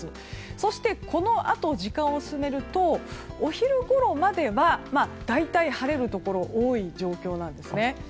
そして、このあと時間を進めるとお昼ごろまでは大体、晴れるところが多い状況なんですね。